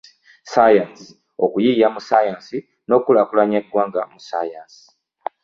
Ssaayansi, okuyiiya mu ssaayansi n'okukulaakulanya eggwanga mu ssaayansi.